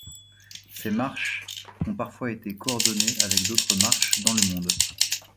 Ces marches ont parfois été coordonnées avec d'autres marches dans le monde.